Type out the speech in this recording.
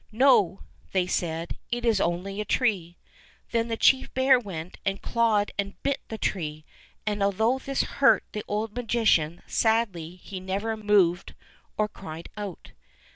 "No," they said, "it is only a tree." Then the chief bear went and clawed and bit the tree, and although this hurt the old magician sadly he never moved or cried out.